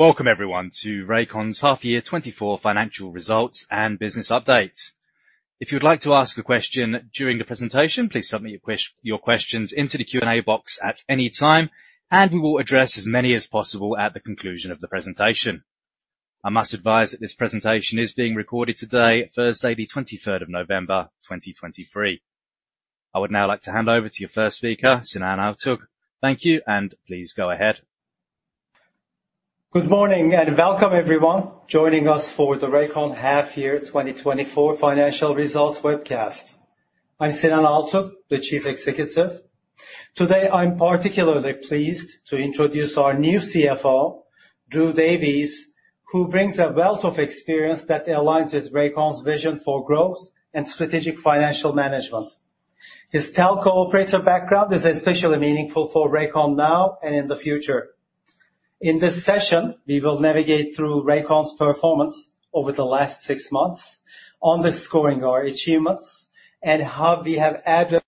Welcome everyone to Rakon’s half year 2024 financial results and business update. If you’d like to ask a question during the presentation, please submit your questions into the Q&A box at any time, and we will address as many as possible at the conclusion of the presentation. I must advise that this presentation is being recorded today, Thursday, the 23rd of November, 2023. I would now like to hand over to your first speaker, Sinan Altug. Thank you, and please go ahead. Good morning, and welcome everyone joining us for the Rakon half year 2024 financial results webcast. I'm Sinan Altug, the Chief Executive. Today, I'm particularly pleased to introduce our new CFO, Drew Davies, who brings a wealth of experience that aligns with Rakon's vision for growth and strategic financial management. His telco operator background is especially meaningful for Rakon now and in the future. In this session, we will navigate through Rakon's performance over the last six months, underscoring our achievements and how we have addressed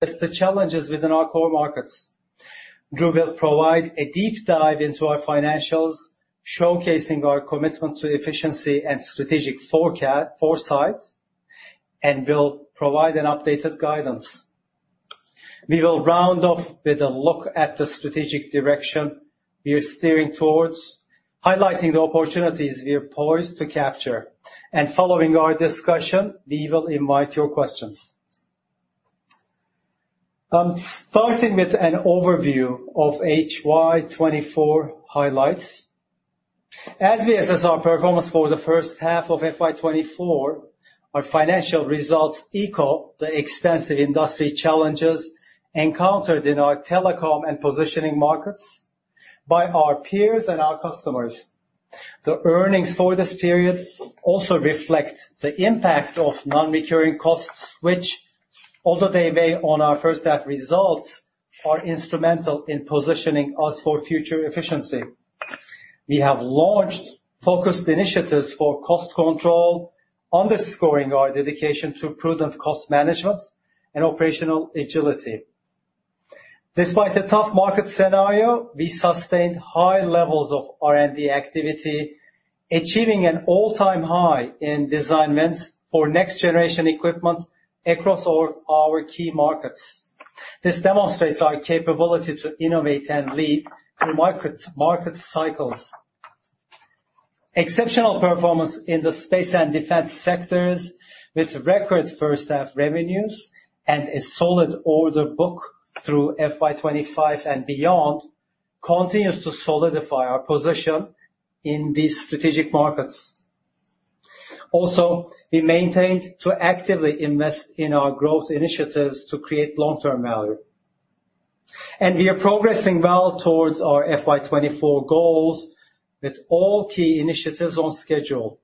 the challenges within our core markets. Drew will provide a deep dive into our financials, showcasing our commitment to efficiency and strategic foresight, and will provide an updated guidance. We will round off with a look at the strategic direction we are steering towards, highlighting the opportunities we are poised to capture. Following our discussion, we will invite your questions. Starting with an overview of HY 2024 highlights. As we assess our performance for the first half of FY 2024, our financial results equal the extensive industry challenges encountered in our telecom and positioning markets by our peers and our customers. The earnings for this period also reflect the impact of non-recurring costs, which, although they weigh on our first half results, are instrumental in positioning us for future efficiency. We have launched focused initiatives for cost control, underscoring our dedication to prudent cost management and operational agility. Despite the tough market scenario, we sustained high levels of R&D activity, achieving an all-time high in design wins for next generation equipment across all our key markets. This demonstrates our capability to innovate and lead through market cycles. Exceptional performance in the space and defense sectors, with record first half revenues and a solid order book through FY 2025 and beyond, continues to solidify our position in these strategic markets. Also, we maintained to actively invest in our growth initiatives to create long-term value. We are progressing well towards our FY 2024 goals with all key initiatives on schedule.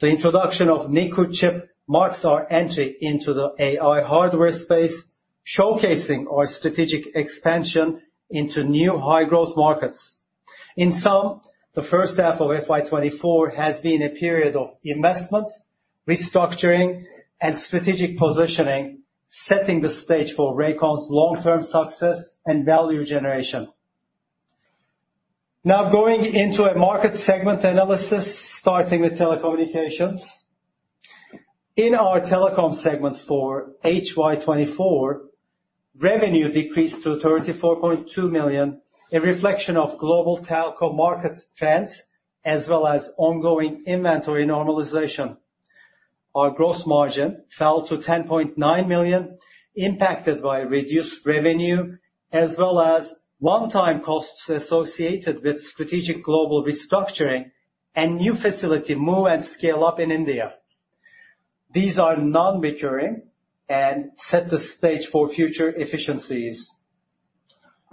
The introduction of MercuryX marks our entry into the AI hardware space, showcasing our strategic expansion into new high-growth markets. In sum, the first half of FY 2024 has been a period of investment, restructuring, and strategic positioning, setting the stage for Rakon's long-term success and value generation. Now, going into a market segment analysis, starting with telecommunications. In our telecom segment for HY 2024, revenue decreased to 34.2 million, a reflection of global telco market trends, as well as ongoing inventory normalization. Our gross margin fell to 10.9 million, impacted by reduced revenue, as well as one-time costs associated with strategic global restructuring and new facility move and scale-up in India. These are non-recurring and set the stage for future efficiencies.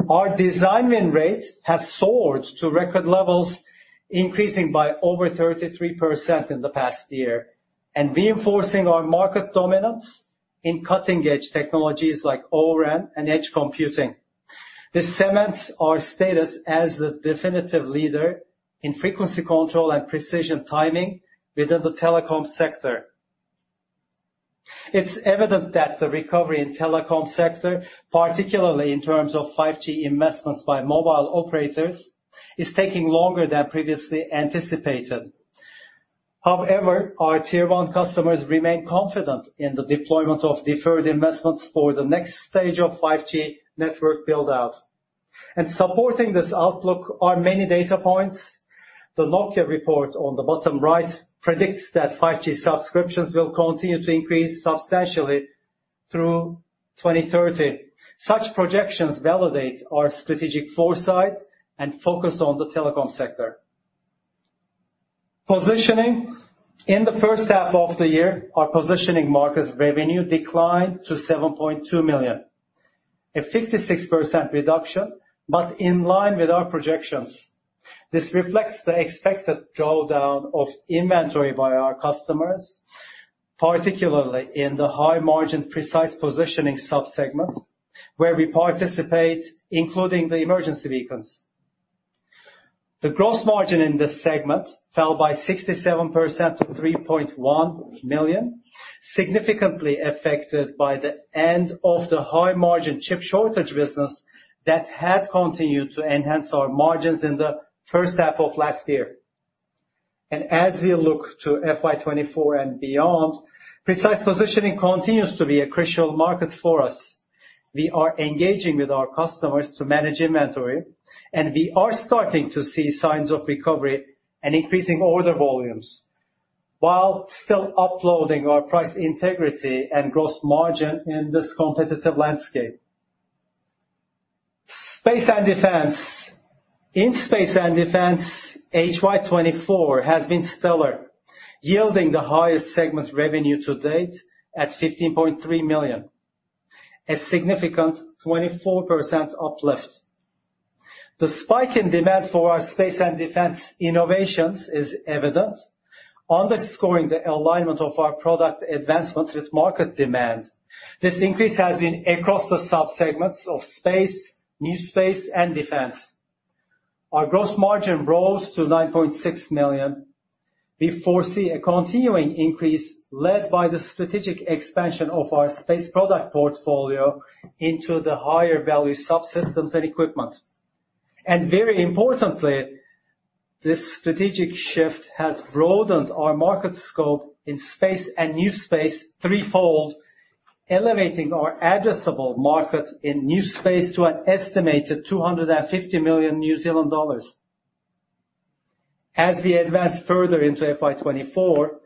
Our design win rate has soared to record levels, increasing by over 33% in the past year and reinforcing our market dominance in cutting-edge technologies like O-RAN and edge computing. This cements our status as the definitive leader in frequency control and precision timing within the telecom sector. It's evident that the recovery in telecom sector, particularly in terms of 5G investments by mobile operators, is taking longer than previously anticipated. However, our tier one customers remain confident in the deployment of deferred investments for the next stage of 5G network build-out. Supporting this outlook are many data points. The Nokia report on the bottom right predicts that 5G subscriptions will continue to increase substantially through 2030. Such projections validate our strategic foresight and focus on the telecom sector. Positioning. In the first half of the year, our positioning markets revenue declined to 7.2 million, a 56% reduction, but in line with our projections. This reflects the expected drawdown of inventory by our customers, particularly in the high-margin, precise positioning sub-segment, where we participate, including the emergency beacons. The gross margin in this segment fell by 67% to 3.1 million, significantly affected by the end of the high-margin chip shortage business that had continued to enhance our margins in the first half of last year. And as we look to FY 2024 and beyond, precise positioning continues to be a crucial market for us. We are engaging with our customers to manage inventory, and we are starting to see signs of recovery and increasing order volumes, while still upholding our price integrity and gross margin in this competitive landscape. Space and Defense. In Space and Defense, HY 2024 has been stellar, yielding the highest segment revenue to date at 15.3 million, a significant 24% uplift. The spike in demand for our space and defense innovations is evident, underscoring the alignment of our product advancements with market demand. This increase has been across the subsegments of space, new space, and defense. Our gross margin rose to 9.6 million. We foresee a continuing increase led by the strategic expansion of our space product portfolio into the higher-value subsystems and equipment. Very importantly, this strategic shift has broadened our market scope in space and new space threefold, elevating our addressable market in new space to an estimated 250 million New Zealand dollars. As we advance further into FY 2024,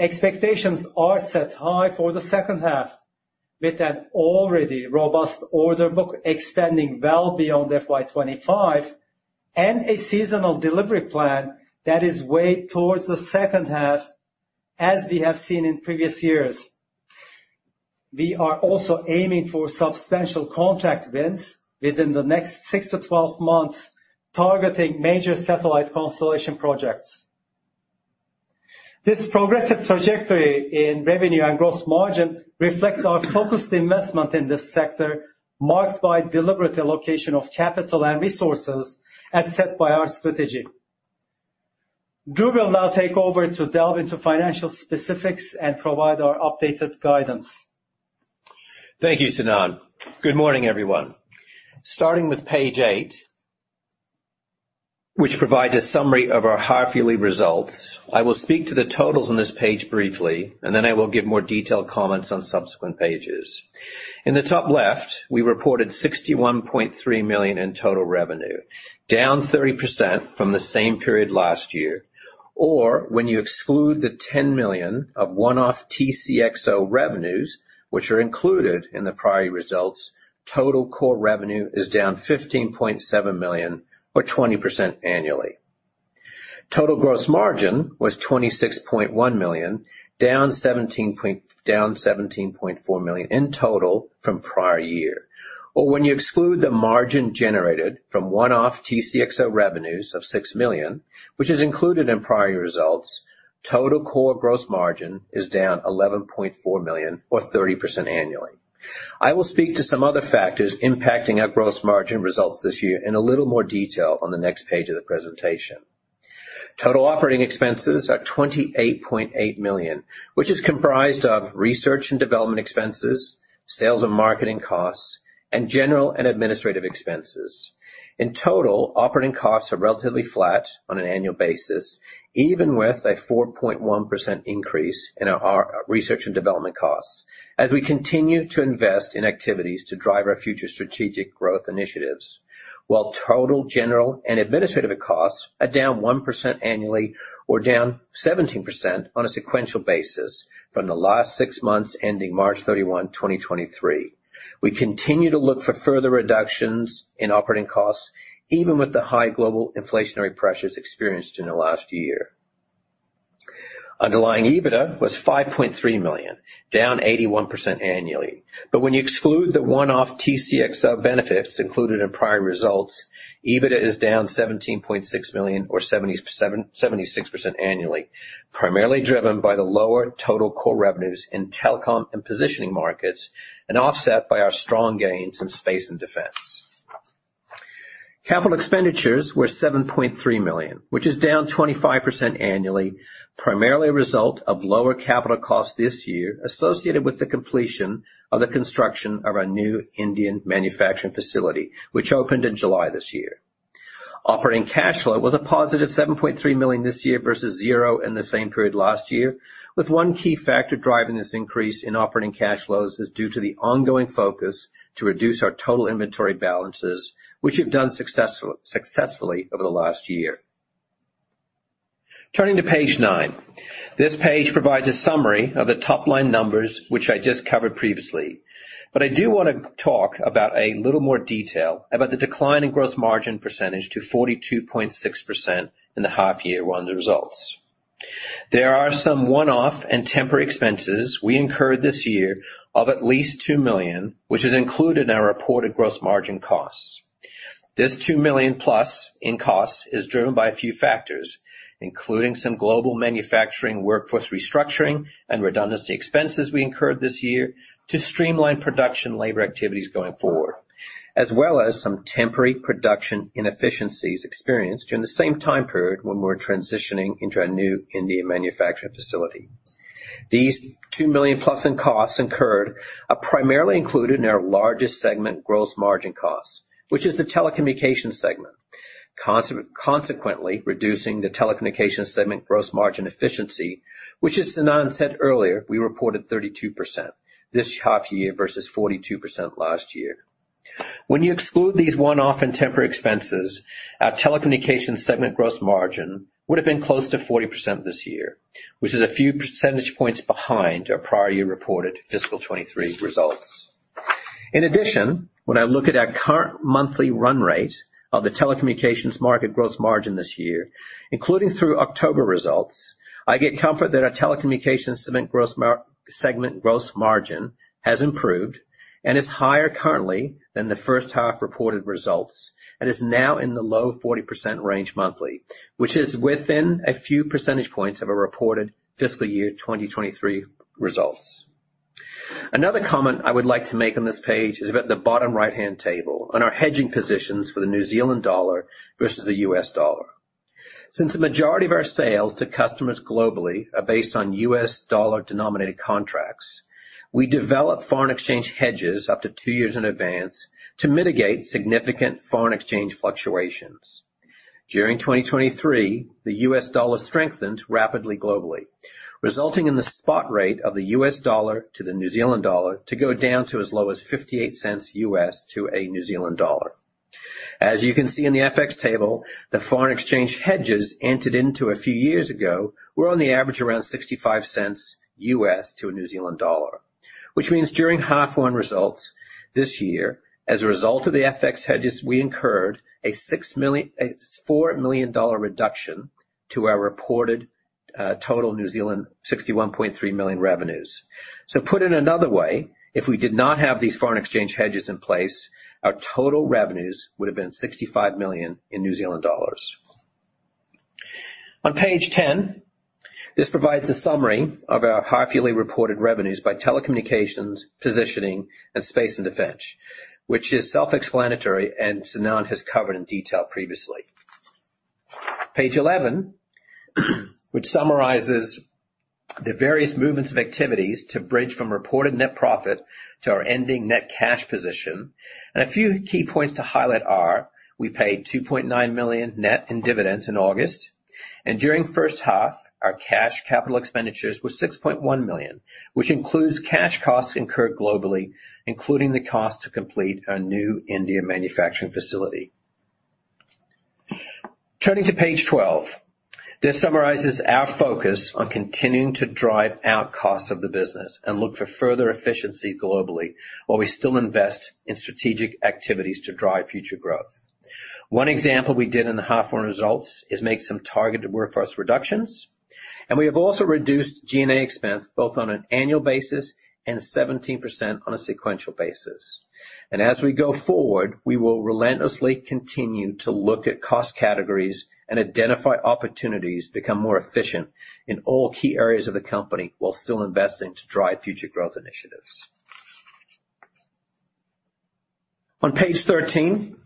expectations are set high for the second half, with an already robust order book extending well beyond FY 2025, and a seasonal delivery plan that is weighed towards the second half, as we have seen in previous years. We are also aiming for substantial contract wins within the next 6-12 months, targeting major satellite constellation projects. This progressive trajectory in revenue and gross margin reflects our focused investment in this sector, marked by deliberate allocation of capital and resources as set by our strategy. Drew will now take over to delve into financial specifics and provide our updated guidance. Thank you, Sinan. Good morning, everyone. Starting with page eight, which provides a summary of our half-yearly results. I will speak to the totals on this page briefly, and then I will give more detailed comments on subsequent pages. In the top left, we reported 61.3 million in total revenue, down 30% from the same period last year. Or when you exclude the 10 million of one-off TCXO revenues, which are included in the prior results, total core revenue is down 15.7 million or 20% annually. Total gross margin was 26.1 million, down 17.4 million in total from prior year. Or when you exclude the margin generated from one-off TCXO revenues of 6 million, which is included in prior results, total core gross margin is down 11.4 million, or 30% annually. I will speak to some other factors impacting our gross margin results this year in a little more detail on the next page of the presentation. Total operating expenses are 28.8 million, which is comprised of research and development expenses, sales and marketing costs, and general and administrative expenses. In total, operating costs are relatively flat on an annual basis, even with a 4.1% increase in our research and development costs as we continue to invest in activities to drive our future strategic growth initiatives, while total general and administrative costs are down 1% annually or down 17% on a sequential basis from the last six months, ending March 31, 2023. We continue to look for further reductions in operating costs, even with the high global inflationary pressures experienced in the last year. Underlying EBITDA was 5.3 million, down 81% annually. But when you exclude the one-off TCXO benefits included in prior results, EBITDA is down 17.6 million or 76% annually, primarily driven by the lower total core revenues in telecom and positioning markets and offset by our strong gains in space and defense. Capital expenditures were 7.3 million, which is down 25% annually, primarily a result of lower capital costs this year associated with the completion of the construction of our new Indian manufacturing facility, which opened in July this year. Operating cash flow was a positive 7.3 million this year versus 0 in the same period last year, with one key factor driving this increase in operating cash flows is due to the ongoing focus to reduce our total inventory balances, which we've done successfully over the last year. Turning to page 9. This page provides a summary of the top-line numbers, which I just covered previously. But I do want to talk about a little more detail about the decline in gross margin percentage to 42.6% in the half-year-one results. There are some one-off and temporary expenses we incurred this year of at least 2 million, which is included in our reported gross margin costs. This 2 million+ in costs is driven by a few factors, including some global manufacturing workforce restructuring and redundancy expenses we incurred this year to streamline production labor activities going forward, as well as some temporary production inefficiencies experienced during the same time period when we were transitioning into our new Indian manufacturing facility. These 2 million+ in costs incurred are primarily included in our largest segment, gross margin costs, which is the telecommunications segment, consequently, reducing the telecommunications segment gross margin efficiency, which as Sinan said earlier, we reported 32% this half year versus 42% last year. When you exclude these one-off and temporary expenses, our telecommunications segment gross margin would have been close to 40% this year, which is a few percentage points behind our prior year reported fiscal 2023 results. In addition, when I look at our current monthly run rate of the telecommunications market gross margin this year, including through October results, I get comfort that our telecommunications segment gross margin has improved and is higher currently than the first half reported results, and is now in the low 40% range monthly, which is within a few percentage points of a reported fiscal year 2023 results. Another comment I would like to make on this page is about the bottom right-hand table on our hedging positions for the New Zealand dollar versus the US dollar. Since the majority of our sales to customers globally are based on US dollar-denominated contracts, we develop foreign exchange hedges up to two years in advance to mitigate significant foreign exchange fluctuations. During 2023, the US dollar strengthened rapidly globally, resulting in the spot rate of the US dollar to the New Zealand dollar to go down to as low as $0.58 US to a New Zealand dollar. As you can see in the FX table, the foreign exchange hedges entered into a few years ago were on the average, around 65 cents US to a New Zealand dollar. Which means during half one results this year, as a result of the FX hedges, we incurred a six million-- a 4 million dollar reduction to our reported, total New Zealand, 61.3 million revenues. So put it another way, if we did not have these foreign exchange hedges in place, our total revenues would have been 65 million in New Zealand dollars. On page ten, this provides a summary of our half-yearly reported revenues by telecommunications, positioning, and space and defense, which is self-explanatory and Sinan has covered in detail previously. Page eleven, which summarizes the various movements of activities to bridge from reported net profit to our ending net cash position. A few key points to highlight are: we paid 2.9 million net in dividends in August, and during first half, our cash capital expenditures were 6.1 million, which includes cash costs incurred globally, including the cost to complete our new India manufacturing facility. Turning to page twelve. This summarizes our focus on continuing to drive out costs of the business and look for further efficiency globally, while we still invest in strategic activities to drive future growth. One example we did in the H1 results is make some targeted workforce reductions, and we have also reduced G&A expense, both on an annual basis and 17% on a sequential basis. As we go forward, we will relentlessly continue to look at cost categories and identify opportunities to become more efficient in all key areas of the company, while still investing to drive future growth initiatives. On page 13,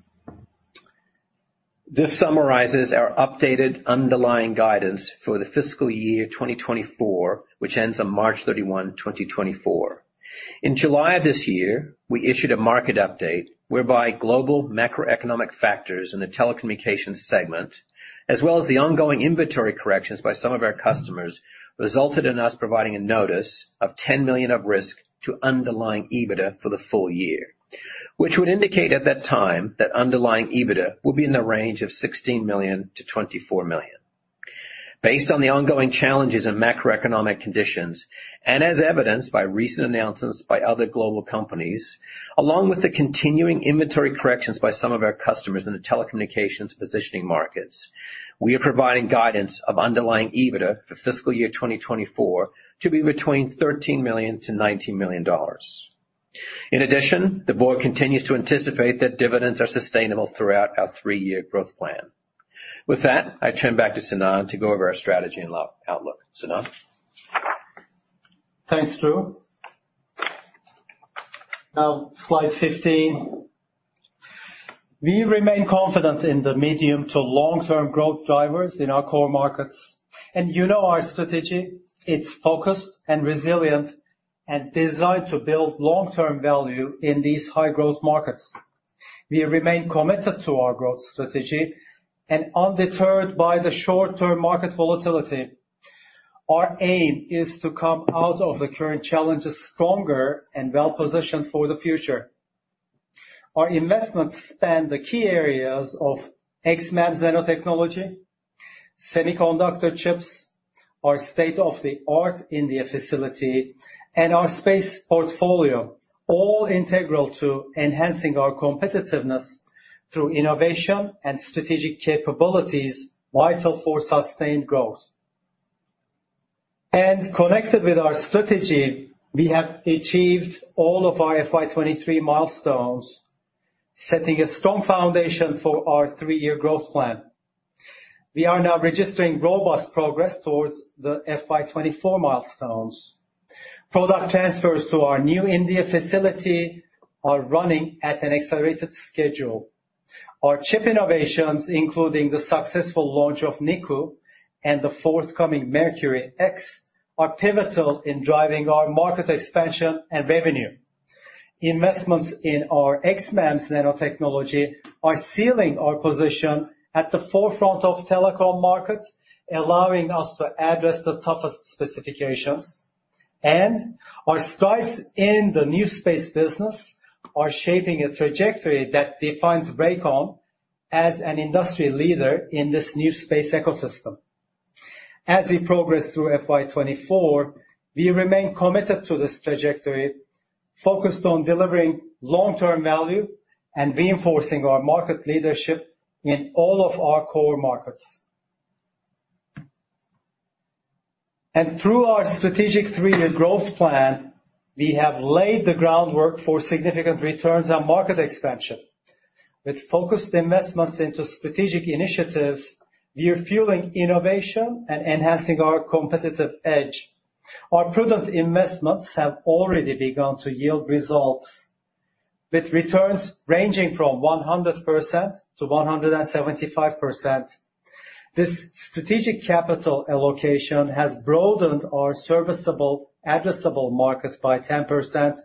this summarizes our updated underlying guidance for the fiscal year 2024, which ends on March 31, 2024. In July of this year, we issued a market update whereby global macroeconomic factors in the telecommunications segment, as well as the ongoing inventory corrections by some of our customers, resulted in us providing a notice of 10 million of risk to underlying EBITDA for the full year, which would indicate at that time that underlying EBITDA would be in the range of 16 million-24 million. Based on the ongoing challenges in macroeconomic conditions, and as evidenced by recent announcements by other global companies, along with the continuing inventory corrections by some of our customers in the telecommunications positioning markets, we are providing guidance of underlying EBITDA for fiscal year 2024 to be between 13 million-19 million dollars. In addition, the board continues to anticipate that dividends are sustainable throughout our three-year growth plan. With that, I turn back to Sinan to go over our strategy and outlook. Sinan? Thanks, Drew. Now, slide 15. We remain confident in the medium to long-term growth drivers in our core markets. And you know our strategy, it's focused and resilient and designed to build long-term value in these high-growth markets. We remain committed to our growth strategy and undeterred by the short-term market volatility. Our aim is to come out of the current challenges stronger and well-positioned for the future. Our investments span the key areas of XMEMS nanotechnology, semiconductor chips, our state-of-the-art India facility, and our space portfolio, all integral to enhancing our competitiveness through innovation and strategic capabilities vital for sustained growth. And connected with our strategy, we have achieved all of our FY 2023 milestones, setting a strong foundation for our three-year growth plan. We are now registering robust progress towards the FY 2024 milestones. Product transfers to our new India facility are running at an accelerated schedule. Our chip innovations, including the successful launch of Niku and the forthcoming MercuryX, are pivotal in driving our market expansion and revenue. Investments in our XMEMS nanotechnology are sealing our position at the forefront of telecom markets, allowing us to address the toughest specifications. Our strides in the new space business are shaping a trajectory that defines Rakon as an industry leader in this new space ecosystem. As we progress through FY 2024, we remain committed to this trajectory, focused on delivering long-term value and reinforcing our market leadership in all of our core markets. Through our strategic three-year growth plan, we have laid the groundwork for significant returns on market expansion. With focused investments into strategic initiatives, we are fueling innovation and enhancing our competitive edge. Our prudent investments have already begun to yield results, with returns ranging from 100%-175%. This strategic capital allocation has broadened our serviceable addressable markets by 10%,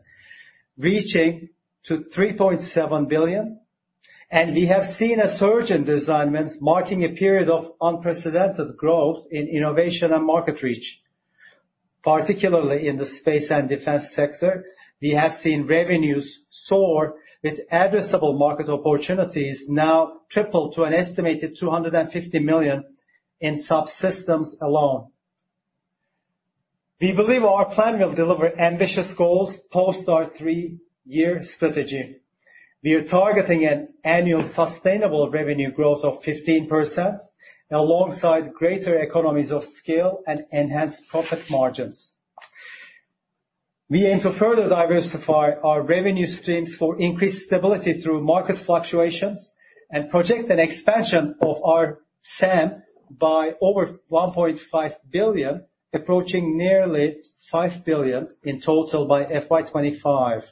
reaching to $3.7 billion, and we have seen a surge in design wins, marking a period of unprecedented growth in innovation and market reach. Particularly in the space and defense sector, we have seen revenues soar, with addressable market opportunities now triple to an estimated $250 million in subsystems alone. We believe our plan will deliver ambitious goals post our three-year strategy. We are targeting an annual sustainable revenue growth of 15%, alongside greater economies of scale and enhanced profit margins. We aim to further diversify our revenue streams for increased stability through market fluctuations, and project an expansion of our SAM by over $1.5 billion, approaching nearly $5 billion in total by FY 2025.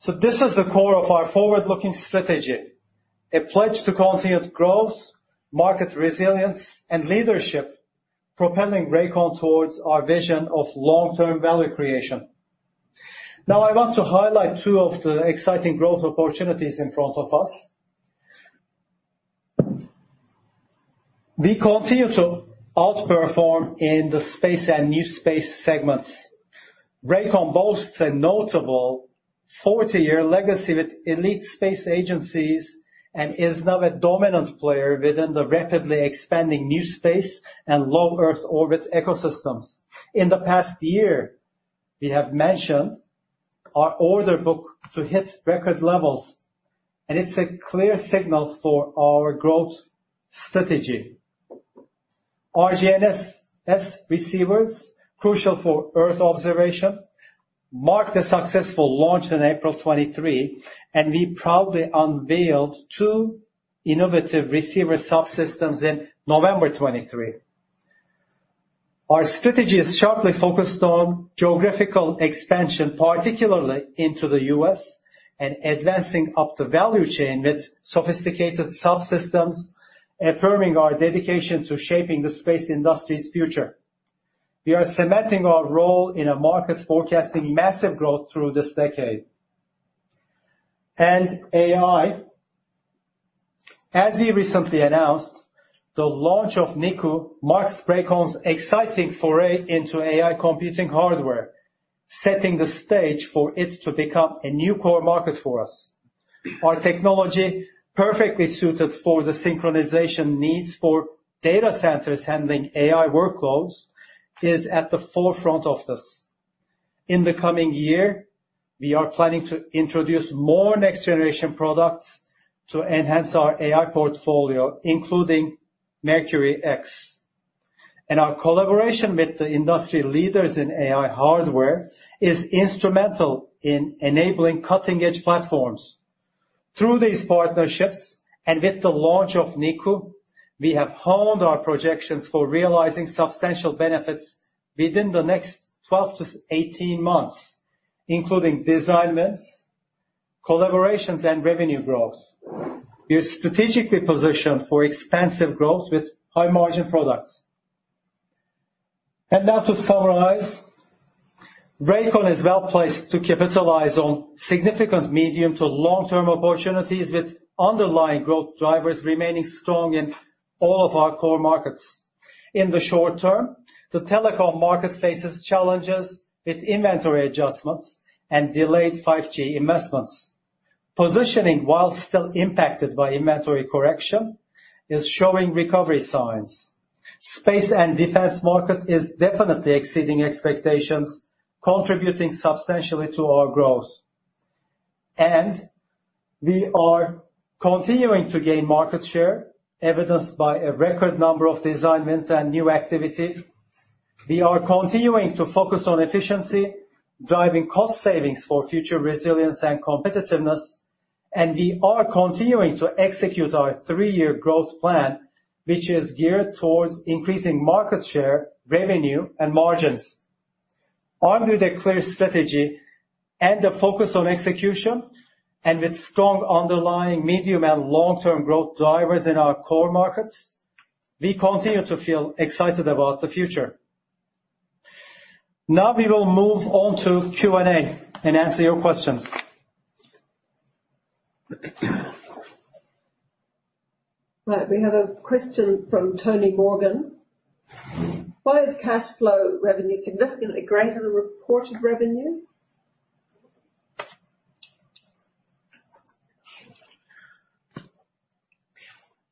So this is the core of our forward-looking strategy, a pledge to continued growth, market resilience, and leadership, propelling Rakon towards our vision of long-term value creation. Now, I want to highlight two of the exciting growth opportunities in front of us. We continue to outperform in the space and new space segments. Rakon boasts a notable 40-year legacy with elite space agencies and is now a dominant player within the rapidly expanding new space and low Earth orbit ecosystems. In the past year, we have mentioned our order book to hit record levels, and it's a clear signal for our growth strategy. Our GNSS receivers, crucial for Earth observation, marked a successful launch in April 2023, and we proudly unveiled two innovative receiver subsystems in November 2023. Our strategy is sharply focused on geographical expansion, particularly into the U.S., and advancing up the value chain with sophisticated subsystems, affirming our dedication to shaping the space industry's future. We are cementing our role in a market forecasting massive growth through this decade. AI, as we recently announced, the launch of Niku marks Rakon's exciting foray into AI computing hardware, setting the stage for it to become a new core market for us. Our technology, perfectly suited for the synchronization needs for data centers handling AI workloads, is at the forefront of this. In the coming year, we are planning to introduce more next-generation products to enhance our AI portfolio, including Mercury X. Our collaboration with the industry leaders in AI hardware is instrumental in enabling cutting-edge platforms. Through these partnerships, and with the launch of Niku, we have honed our projections for realizing substantial benefits within the next 12-18 months, including design wins, collaborations, and revenue growth. We are strategically positioned for expansive growth with high-margin products. Now to summarize, Rakon is well-placed to capitalize on significant medium- to long-term opportunities, with underlying growth drivers remaining strong in all of our core markets. In the short term, the telecom market faces challenges with inventory adjustments and delayed 5G investments. Positioning, while still impacted by inventory correction, is showing recovery signs. Space and defense market is definitely exceeding expectations, contributing substantially to our growth. We are continuing to gain market share, evidenced by a record number of design wins and new activity. We are continuing to focus on efficiency, driving cost savings for future resilience and competitiveness, and we are continuing to execute our three-year growth plan, which is geared towards increasing market share, revenue, and margins. Armed with a clear strategy and a focus on execution, and with strong underlying medium and long-term growth drivers in our core markets. We continue to feel excited about the future. Now we will move on to Q&A and answer your questions. Right. We have a question from Tony Morgan: Why is cash flow revenue significantly greater than reported revenue?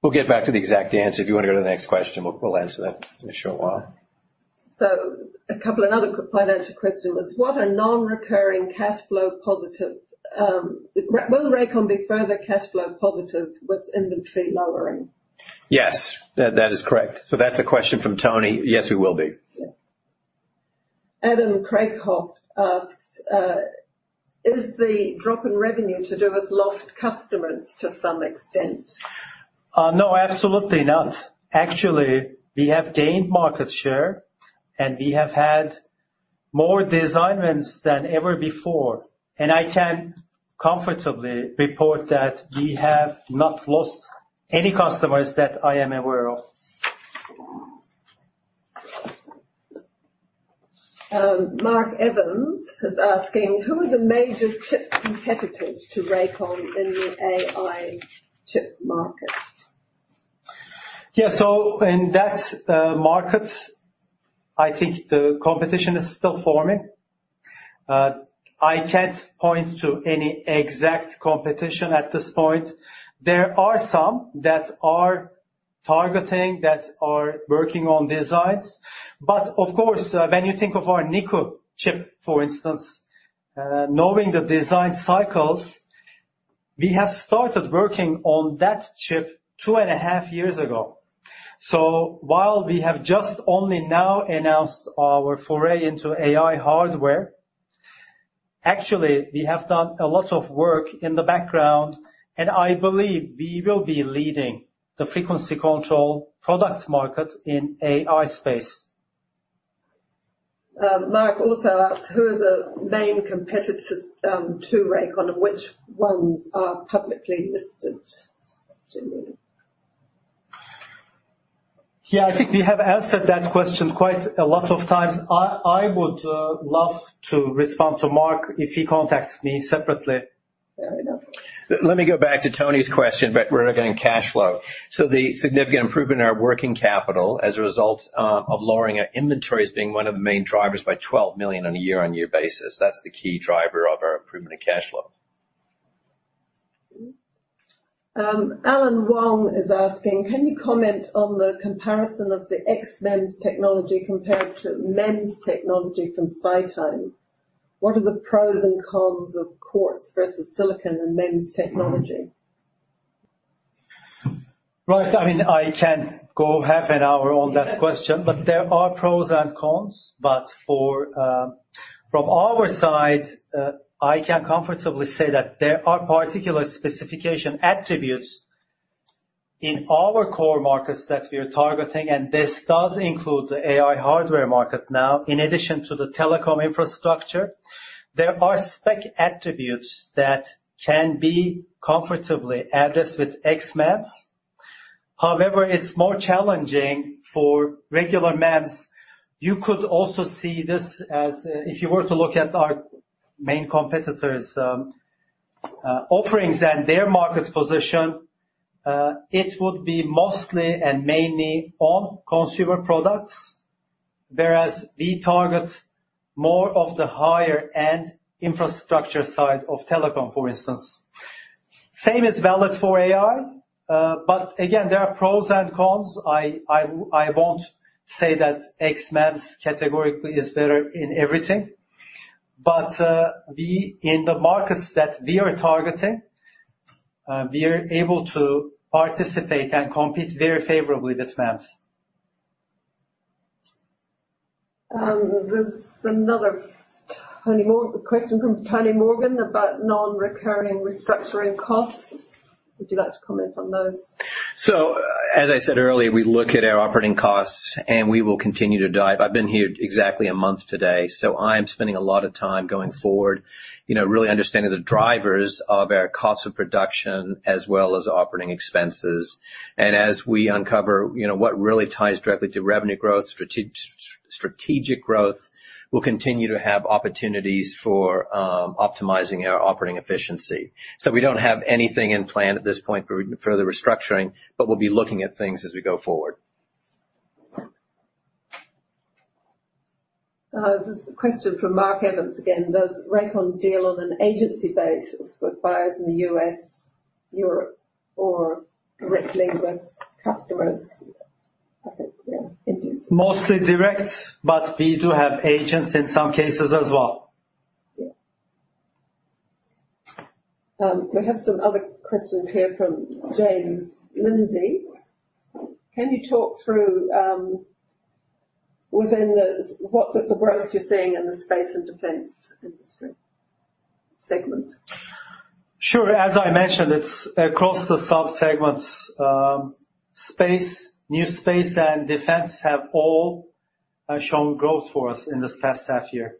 We'll get back to the exact answer. If you want to go to the next question, we'll answer that in a short while. So a couple of other financial questions. What are non-recurring cash flow positive? Will Rakon be further cash flow positive with inventory lowering? Yes, that is correct. So that's a question from Tony. Yes, we will be. Yeah. Adam Kraakoff asks, "Is the drop in revenue to do with lost customers to some extent? No, absolutely not. Actually, we have gained market share, and we have had more designs than ever before, and I can comfortably report that we have not lost any customers that I am aware of. Mark Evans is asking: Who are the major chip competitors to Rakon in the AI chip market? Yeah. So in that market, I think the competition is still forming. I can't point to any exact competition at this point. There are some that are targeting, that are working on designs, but of course, when you think of our Niku chip, for instance, knowing the design cycles, we have started working on that chip 2.5 years ago. So while we have just only now announced our foray into AI hardware, actually, we have done a lot of work in the background, and I believe we will be leading the frequency control product market in AI space. Mark also asks: Who are the main competitors to Rakon, and which ones are publicly listed? Yeah, I think we have answered that question quite a lot of times. I would love to respond to Mark if he contacts me separately. Fair enough. Let me go back to Tony's question about regarding cash flow. So the significant improvement in our working capital as a result of lowering our inventories being one of the main drivers by 12 million on a year-on-year basis, that's the key driver of our improvement in cash flow. Alan Wong is asking: Can you comment on the comparison of the XMEMS technology compared to MEMS technology from SiTime? What are the pros and cons of quartz versus silicon and MEMS technology? Right. I mean, I can go half an hour on that question, but there are pros and cons. But for, from our side, I can comfortably say that there are particular specification attributes in our core markets that we are targeting, and this does include the AI hardware market now, in addition to the telecom infrastructure. There are spec attributes that can be comfortably addressed with XMEMS. However, it's more challenging for regular MEMS. You could also see this as. If you were to look at our main competitors' offerings and their market position, it would be mostly and mainly on consumer products, whereas we target more of the higher-end infrastructure side of telecom, for instance. Same is valid for AI, but again, there are pros and cons. I won't say that XMEMS categorically is better in everything, but we, in the markets that we are targeting, we are able to participate and compete very favorably with MEMS. There's another question from Tony Morgan about non-recurring restructuring costs. Would you like to comment on those? So as I said earlier, we look at our operating costs, and we will continue to dive. I've been here exactly a month today, so I'm spending a lot of time going forward, you know, really understanding the drivers of our cost of production as well as operating expenses. And as we uncover, you know, what really ties directly to revenue growth, strategic growth, we'll continue to have opportunities for optimizing our operating efficiency. So we don't have anything in plan at this point for further restructuring, but we'll be looking at things as we go forward. There's a question from Mark Evans again: Does Raycom deal on an agency basis with buyers in the U.S., Europe, or directly with customers? I think, yeah, it is. Mostly direct, but we do have agents in some cases as well. Yeah. We have some other questions here from James Lindsay. Can you talk through the growth you're seeing in the space and defense industry segment? Sure. As I mentioned, it's across the sub-segments. Space, new space, and defense have all shown growth for us in this past half year.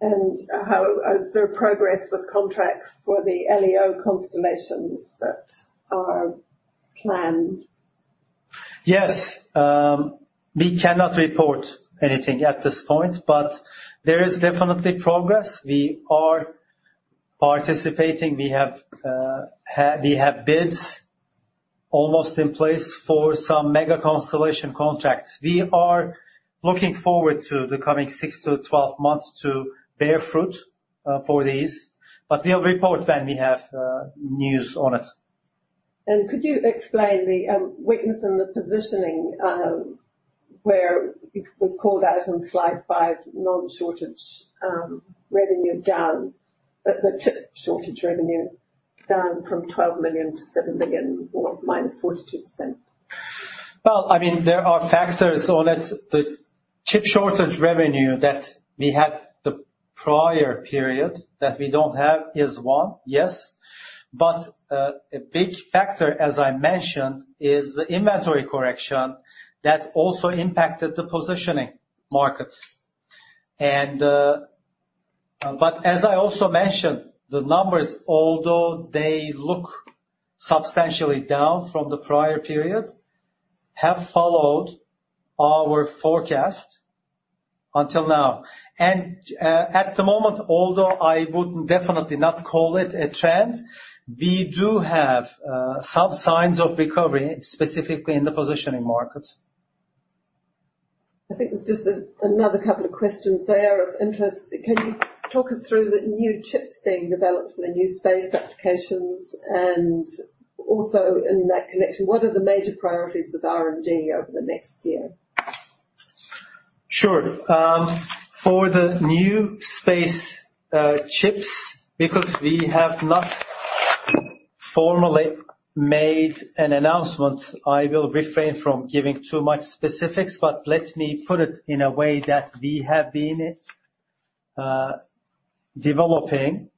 And how is there progress with contracts for the LEO constellations that are planned? Yes, we cannot report anything at this point, but there is definitely progress. We are participating. We have bids almost in place for some mega constellation contracts. We are looking forward to the coming 6-12 months to bear fruit for these, but we'll report when we have news on it. Could you explain the weakness in the positioning where we called out on slide five, non-shortage revenue down, the chip shortage revenue down from 12 million to 7 million or -42%? Well, I mean, there are factors on it. The chip shortage revenue that we had the prior period, that we don't have is one. Yes, but a big factor, as I mentioned, is the inventory correction that also impacted the positioning market. But as I also mentioned, the numbers, although they look substantially down from the prior period, have followed our forecast until now. And at the moment, although I would definitely not call it a trend, we do have some signs of recovery, specifically in the positioning market. I think there's another couple of questions there of interest. Can you talk us through the new chips being developed for the new space applications? And also in that connection, what are the major priorities with R&D over the next year? Sure. For the new space, chips, because we have not formally made an announcement, I will refrain from giving too much specifics, but let me put it in a way that we have been developing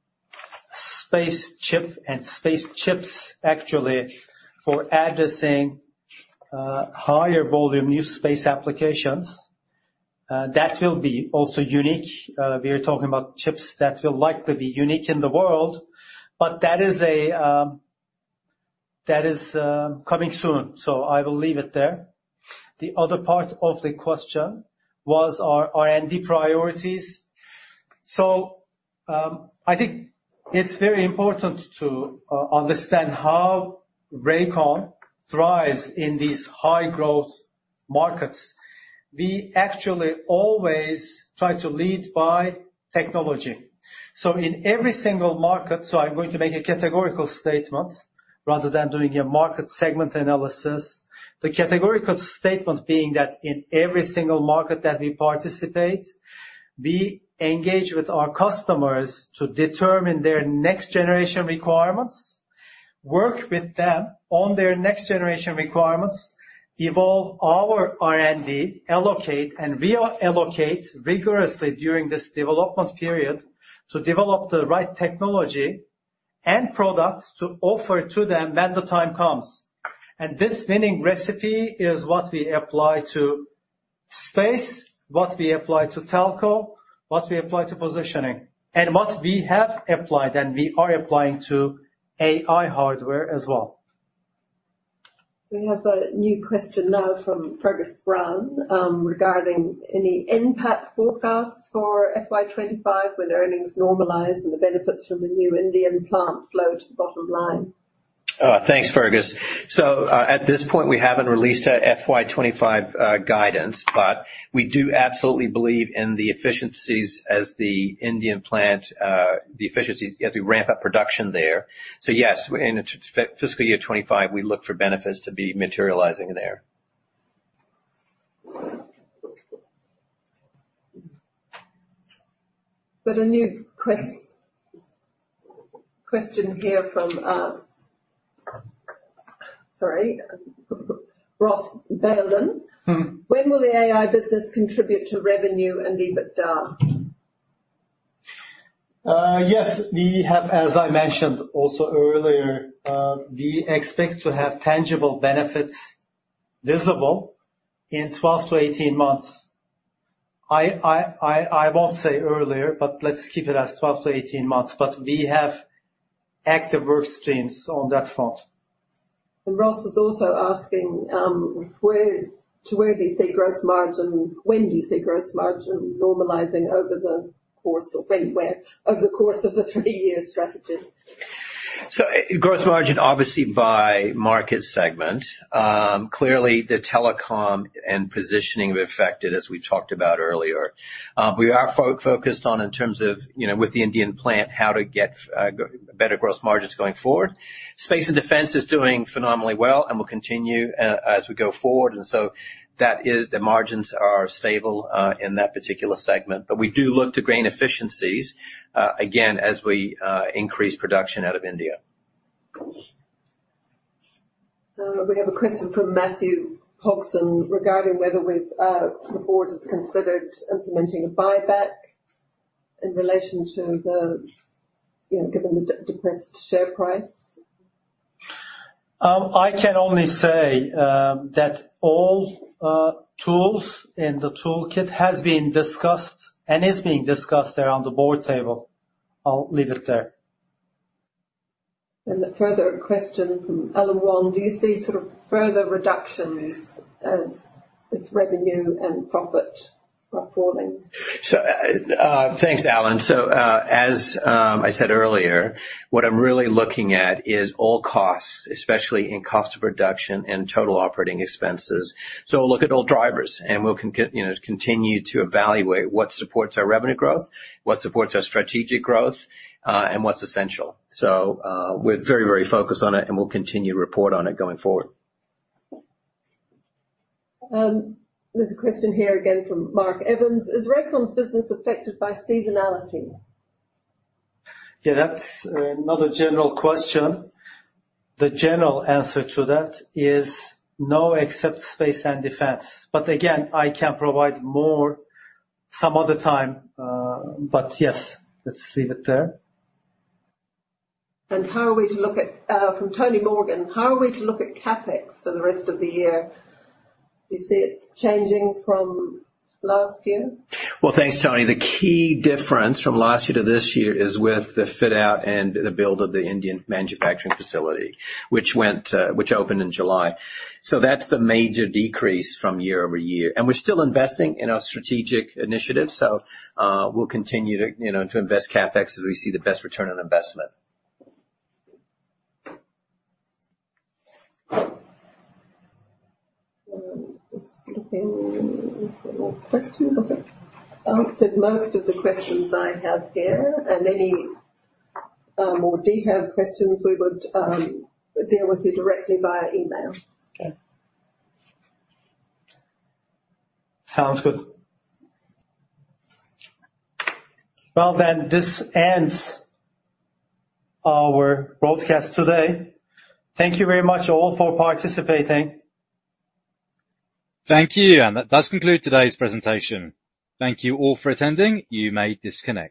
space chip and space chips, actually, for addressing higher volume new space applications. That will be also unique. We are talking about chips that will likely be unique in the world, but that is coming soon, so I will leave it there. The other part of the question was our R&D priorities. So, I think it's very important to understand how Rakon thrives in these high-growth markets. We actually always try to lead by technology. So in every single market, so I'm going to make a categorical statement rather than doing a market segment analysis. The categorical statement being that in every single market that we participate, we engage with our customers to determine their next generation requirements, work with them on their next generation requirements, evolve our R&D, allocate, and reallocate rigorously during this development period to develop the right technology and products to offer to them when the time comes. This winning recipe is what we apply to space, what we apply to telco, what we apply to positioning, and what we have applied and we are applying to AI hardware as well. We have a new question now from Fergus Brown, regarding any impact forecasts for FY 2025, when the earnings normalize and the benefits from the new Indian plant flow to the bottom line. Thanks, Fergus. So, at this point, we haven't released our FY 2025 guidance, but we do absolutely believe in the efficiencies at the Indian plant, the efficiencies as we ramp up production there. So yes, in fiscal year 2025, we look for benefits to be materializing there. Got a new question here from, sorry, Ross Bailden. Mm-hmm. When will the AI business contribute to revenue and EBITDA? Yes, we have, as I mentioned also earlier, we expect to have tangible benefits visible in 12-18 months. I won't say earlier, but let's keep it as 12-18 months, but we have active work streams on that front. Ross is also asking, where to where do you see gross margin? When do you see gross margin normalizing over the course of anywhere, over the course of the three-year strategy? So gross margin, obviously, by market segment. Clearly, the telecom and positioning are affected, as we talked about earlier. We are focused on in terms of, you know, with the Indian plant, how to get better gross margins going forward. Space and Defense is doing phenomenally well and will continue as we go forward, and so that is the margins are stable in that particular segment. But we do look to gain efficiencies again as we increase production out of India. We have a question from Matthew Hokson regarding whether the board has considered implementing a buyback in relation to the, you know, given the depressed share price? I can only say, that all, tools in the toolkit has been discussed and is being discussed there on the board table. I'll leave it there. And the further question from Alan Wong: Do you see sort of further reductions as, with revenue and profit are falling? So, thanks, Alan. So, as I said earlier, what I'm really looking at is all costs, especially in cost reduction and total operating expenses. So we'll look at all drivers, and we'll you know, continue to evaluate what supports our revenue growth, what supports our strategic growth, and what's essential. So, we're very, very focused on it, and we'll continue to report on it going forward. There's a question here again from Mark Evans: Is Rakon's business affected by seasonality? Yeah, that's another general question. The general answer to that is no, except space and defense. But again, I can provide more some other time, but yes, let's leave it there. From Tony Morgan: How are we to look at CapEx for the rest of the year? Do you see it changing from last year? Well, thanks, Tony. The key difference from last year to this year is with the fit-out and the build of the Indian manufacturing facility, which went, which opened in July. That's the major decrease from year-over-year. We're still investing in our strategic initiatives, so we'll continue to, you know, to invest CapEx as we see the best return on investment. Just looking for more questions. I think I answered most of the questions I have here, and any more detailed questions, we would deal with you directly via email. Okay. Sounds good. Well, then, this ends our broadcast today. Thank you very much, all, for participating. Thank you, and that does conclude today's presentation. Thank you all for attending. You may disconnect.